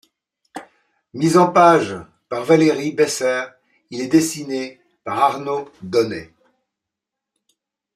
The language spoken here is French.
Mis en page par Valérie Besser, il est dessiné par Arnaud d'Aunay.